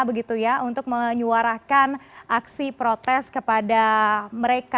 begitu ya untuk menyuarakan aksi protes kepada mereka